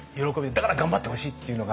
だから頑張ってほしいっていうのが。